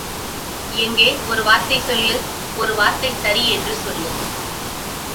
எங்கே ஒரு வார்த்தை சொல்லு, ஒரு வார்த்தை சரி என்று சொல்லு.